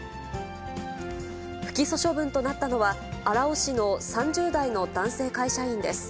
不起訴処分となったのは、荒尾市の３０代の男性会社員です。